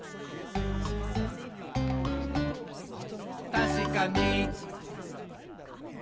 「たしかに！」